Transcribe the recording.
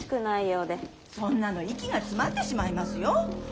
そんなの息が詰まってしまいますよ。